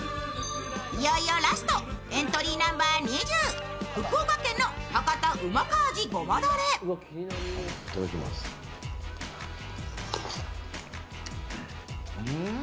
いよいよラスト、エントリーナンバー２０